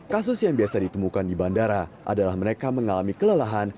kasus yang biasa ditemukan di bandara adalah mereka mengalami kelelahan